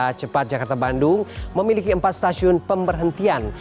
kereta cepat jakarta bandung memiliki empat stasiun pemberhentian